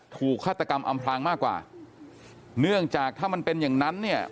ฆาตกรรมอำพลางมากกว่าเนื่องจากถ้ามันเป็นอย่างนั้นเนี่ย